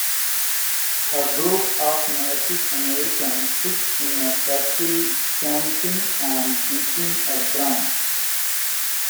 A group of Native Americans sit in a circle chanting and beating a drum.